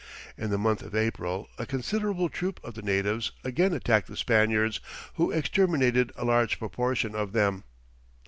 In the month of April, a considerable troop of the natives again attacked the Spaniards, who exterminated a large proportion of them.